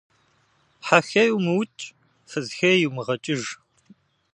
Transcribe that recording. Хьэ хей умыукӏ, фыз хей йумыгъэкӏыж.